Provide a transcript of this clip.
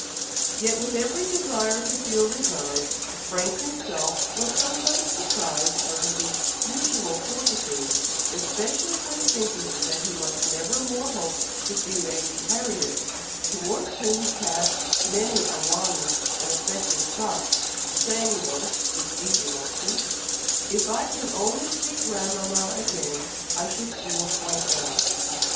Yet, with every desire to feel resigned, Frank himself was sometimes surprised out of his usual fortitude, especially when thinking that he must never more hope to see Lady Harriet, towards whom he cast many a longing and affecting thought, saying once, with deep emotion, "If I could only see grandmama again, I should feel quite well!"